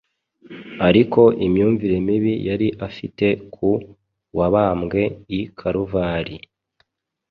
ariko imyumvire mibi yari afite ku wabambwe i Karuvali